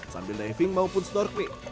sambil diving maupun snorkeling